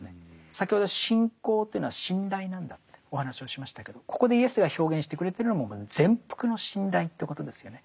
先ほど信仰というのは信頼なんだってお話をしましたけどここでイエスが表現してくれてるのも全幅の信頼ということですよね。